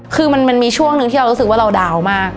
คือมันมีช่วงหนึ่งที่เรารู้สึกว่าเราดาวน์มาก